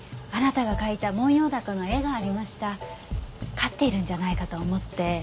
飼っているんじゃないかと思って。